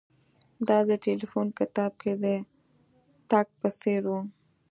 دا د ټیلیفون کتاب کې د تګ په څیر و